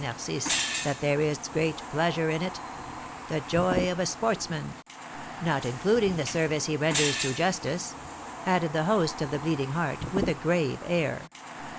Narcisse, that there is great pleasure in it, the joy of a sportsman, not including the service he renders to justice!" added the host of the Bleeding Heart, with a grave air.